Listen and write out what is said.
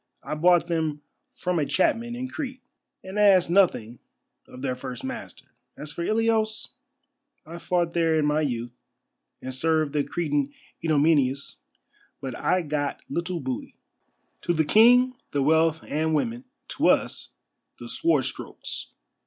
I bought them from a chapman in Crete, and asked nothing of their first master. As for Ilios, I fought there in my youth, and served the Cretan Idomeneus, but I got little booty. To the King the wealth and women, to us the sword strokes.